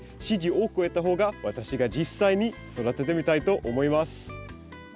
支持を多く得た方が私が実際に育ててみたいと思います。